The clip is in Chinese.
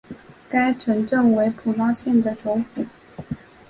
该城镇为普拉县的首府。